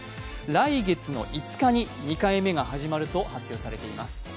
来月の５日に２回目が始まると発表されています